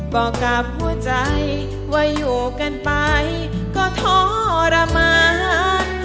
บอกกับหัวใจว่าอยู่กันไปก็ทรมาน